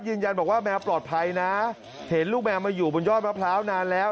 ยืนยันบอกว่าแมวปลอดภัยนะเห็นลูกแมวมาอยู่บนยอดมะพร้าวนานแล้ว